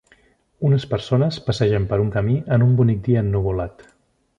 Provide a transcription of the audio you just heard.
Unes persones passegen per un camí en un bonic dia ennuvolat.